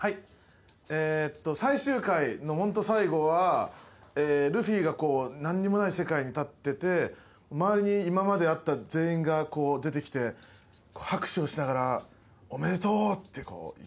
えーっと最終回のホント最後はルフィが何にもない世界に立ってて周りに今まで会った全員がこう出てきて拍手をしながら「おめでとう」ってこう。